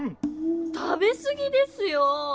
食べすぎですよ。